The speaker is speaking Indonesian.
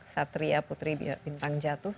satria putri bintang jatuh